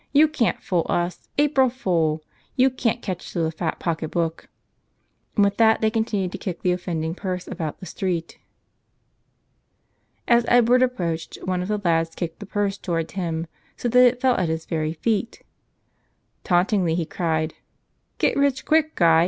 "You can't fool us! April fool! You can't catch us with a fat pocketbook!" And with that they continued to kick the offending purse about the street. As Edward approached, one of the lads kicked the purse toward him so that it fell at his very feet. Taunt¬ ingly he cried out, "Get rich quick, guy!